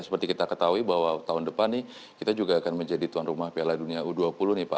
seperti kita ketahui bahwa tahun depan nih kita juga akan menjadi tuan rumah piala dunia u dua puluh nih pak